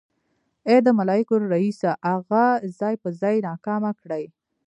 ای د ملايکو ريسه اغه ځای په ځای ناکامه کړې.